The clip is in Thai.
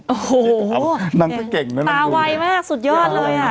โอ้โหนางก็เก่งนะตาไวมากสุดยอดเลยอ่ะ